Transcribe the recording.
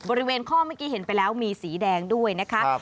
บริเวณข้อเมื่อกี้เห็นไปแล้วมีสีแดงด้วยนะคะ